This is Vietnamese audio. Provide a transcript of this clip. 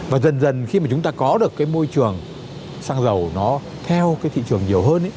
và dần dần khi mà chúng ta có được cái môi trường xăng dầu nó theo cái thị trường nhiều hơn